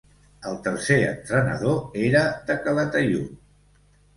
El tercer entrenador era de Calataiud.